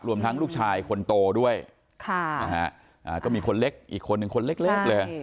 รวมทั้งลูกชายคนโตด้วยก็มีคนเล็กอีกคนหนึ่งคนเล็กเลย